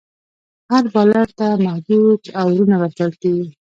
هر بالر ته محدود اوورونه ورکول کیږي.